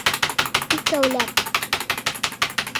Икәүләп